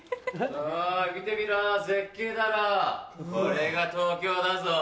見てみろ絶景だろこれが東京だぞ。